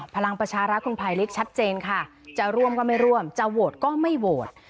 พลังประชารัฐคุณภัยลิกชัดเจนค่ะจะร่วมก็ไม่ร่วมจะโหวตก็ไม่โหวต